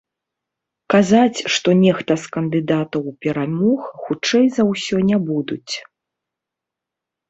Казаць, што нехта з кандыдатаў перамог, хутчэй за ўсё, не будуць.